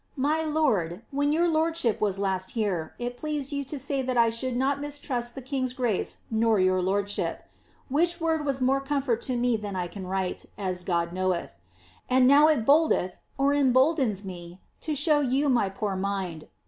My lord, when your lordship was last here, it pleased you to say that I should not mistrust the king's grace nor your lordship. Which word was more comfort to me than I can write, as God knoweth. And now it boldeth ^emboldens) me to show you my poor mind.